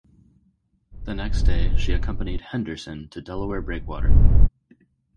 The next day she accompanied "Henderson" to Delaware Breakwater.